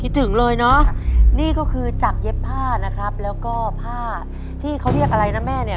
ถึงเลยเนอะนี่ก็คือจากเย็บผ้านะครับแล้วก็ผ้าที่เขาเรียกอะไรนะแม่เนี่ย